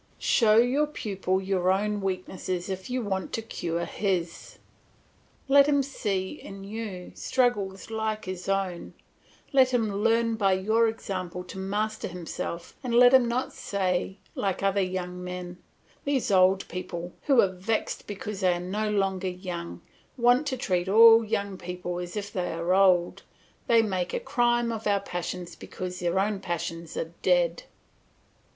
Show your pupil your own weaknesses if you want to cure his; let him see in you struggles like his own; let him learn by your example to master himself and let him not say like other young men, "These old people, who are vexed because they are no longer young, want to treat all young people as if they were old; and they make a crime of our passions because their own passions are dead."